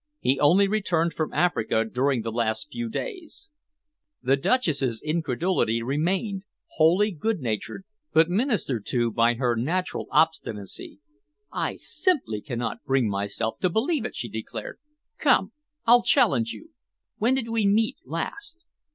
He only returned from Africa during the last few days." The Duchess's incredulity remained, wholly good natured but ministered to by her natural obstinacy. "I simply cannot bring myself to believe it," she declared. "Come, I'll challenge you. When did we meet last?"